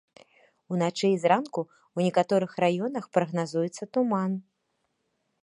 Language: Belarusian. Уначы і зранку ў некаторых раёнах прагназуецца туман.